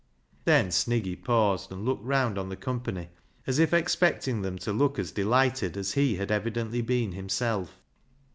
Then Sniggy paused, and looked round on the company, as if expecting them to look as delighted as he had evidently been himself.